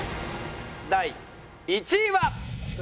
第１位は。